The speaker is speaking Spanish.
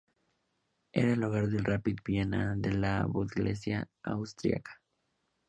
Era el hogar del Rapid Viena de la Bundesliga austríaca.